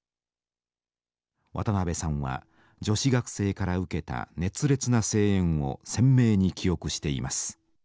渡辺さんは女子学生から受けた熱烈な声援を鮮明に記憶しています。